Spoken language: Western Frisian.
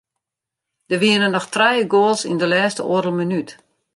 Der wiene noch trije goals yn de lêste oardel minút.